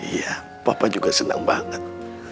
iya papa juga senang banget